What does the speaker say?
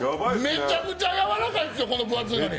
めちゃくちゃやわらかいっすよ、こんなに分厚いのに。